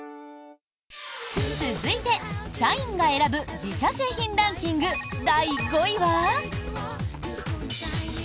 続いて、社員が選ぶ自社製品ランキング第５位は。